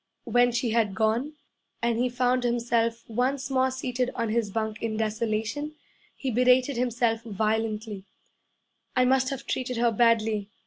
When she had gone, and he found himself once more seated on his bunk in desolation, he berated himself violently: 'I must have treated her badly.